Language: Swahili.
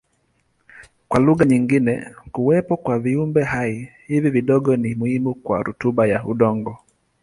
Kwa lugha nyingine kuwepo kwa viumbehai hivi vidogo ni muhimu kwa rutuba ya udongo.